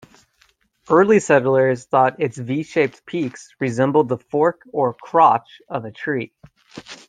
Early settlers thought its V-shaped peaks resembled the fork or "crotch" of a tree.